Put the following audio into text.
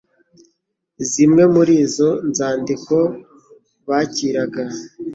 Zimwe muri izo nzandiko bakiraga